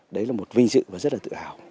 đấy là một vinh dự và rất là tự hào